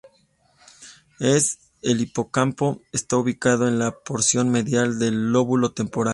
El hipocampo está ubicado en la porción medial del lóbulo temporal.